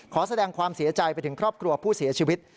ขอแสดงความเสียใจไปถึงครอบครัวผู้เสียชีวิต